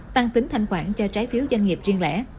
tăng tính thanh khoản cho trái phiếu doanh nghiệp riêng lẻ